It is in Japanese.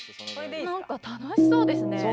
何か楽しそうですね。